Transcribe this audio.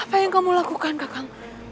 apa yang kamu lakukan kakang